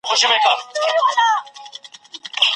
کمپيوټر فولډر جوړوي.